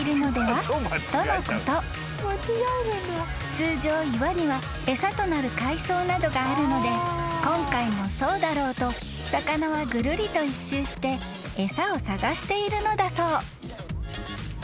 ［通常岩には餌となる海藻などがあるので今回もそうだろうと魚はぐるりと一周して餌を探しているのだそう］